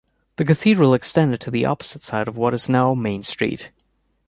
The cathedral extended to the opposite side of what is now Main Street.